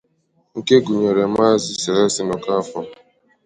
nke gụnyere Maazị Celestine Okafor